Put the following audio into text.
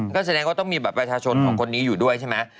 ก็แสดงว่าต้องมีบัตรประชาชนของคนนี้อยู่ด้วยใช่ไหม